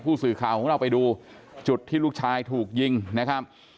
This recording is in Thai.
ผู้สื่อข่าวของเราไปดูจุดที่ลูกชายถูกยิงนะครับ